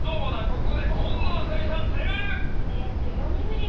ここで紺野あさ美さん攻める！